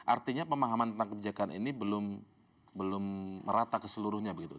artinya pemahaman tentang kebijakan ini belum merata keseluruhnya begitu